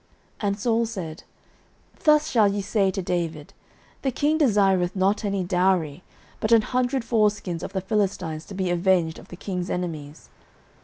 09:018:025 And Saul said, Thus shall ye say to David, The king desireth not any dowry, but an hundred foreskins of the Philistines, to be avenged of the king's enemies.